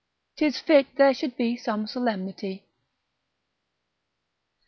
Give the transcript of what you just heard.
'Tis fit there should be some solemnity.